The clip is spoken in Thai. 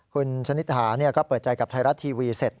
คุณชนิดหาก็เปิดใจกับไทยรัฐทีวีเสร็จ